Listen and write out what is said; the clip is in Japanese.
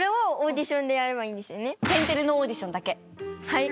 はい。